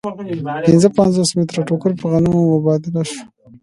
پنځه پنځوس متره ټوکر په غنمو مبادله شو